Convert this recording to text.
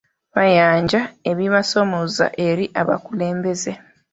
Baayanja ebibasoomooza eri abakulembeze.